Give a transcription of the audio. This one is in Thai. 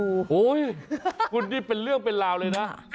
โอ้โหคุณนี่เป็นเรื่องเป็นราวเลยนะ